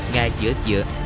ngay giữa giữa